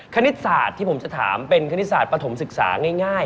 คณิตศาสตร์ที่ผมจะถามเป็นคณิตศาสตร์ปฐมศึกษาง่าย